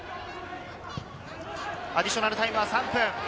アディショナルタイムは３分。